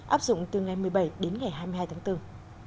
áp dụng từ ngày một mươi bảy đến ngày hai mươi hai tháng bốn